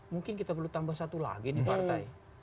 mungkin kita perlu tambah satu lagi nih partai